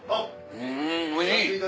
んおいしい！